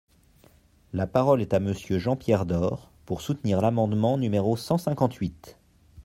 La parole est à Monsieur Jean-Pierre Door, pour soutenir l’amendement numéro cent cinquante-huit.